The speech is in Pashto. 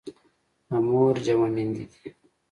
د مور جمع میندي دي.